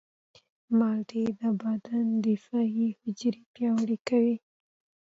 مالټې د بدن دفاعي حجرې پیاوړې کوي.